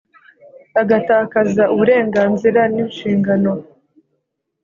Agatakaza uburenganzira n inshingano